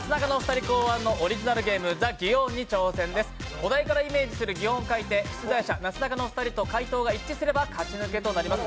お題からイメージする擬音を書いて出題者、なすなかのお二人と解答が一致すれば勝ち抜けとなります。